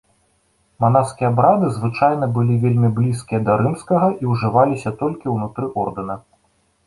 Манаскія абрады звычайна былі вельмі блізкія да рымскага і ўжываліся толькі ўнутры ордэна.